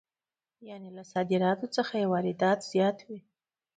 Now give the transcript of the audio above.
یانې له صادراتو څخه یې واردات زیات وي